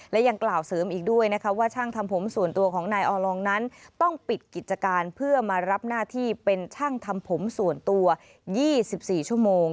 และยังกล่าวเสริมอีกด้วยนะคะว่าช่างทำผมส่วนตัวของนายออลองนั้นต้องปิดกิจการเพื่อมารับหน้าที่เป็นช่างทำผมส่วนตัว๒๔ชั่วโมง